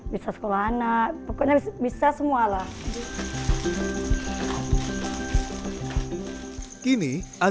dari kue kita bawa keluarga